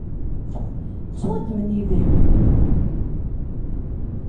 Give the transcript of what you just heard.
Ttwaddmen yidrimen-nni.